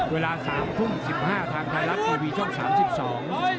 เวลาสามทุ่มสิบห้าทางไทยรัฐทีวีช่องสามสิบสอง